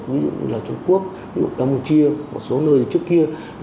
ví dụ là trung quốc campuchia một số nơi trước kia